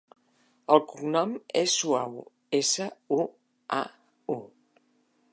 El cognom és Suau: essa, u, a, u.